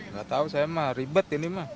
nggak tahu saya mah ribet ini mah